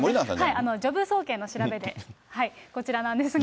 ジョブ総研の調べで、こちらなんですが。